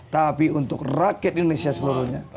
tapi untuk rakyat indonesia seluruhnya